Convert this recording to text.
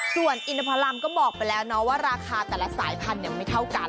ส่วนอินทพรัมก็บอกไปแล้วเนาะว่าราคาแต่ละสายพันธุ์ไม่เท่ากัน